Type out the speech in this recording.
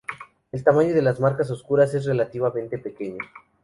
El tamaño de las marcas oscuras es relativamente pequeño.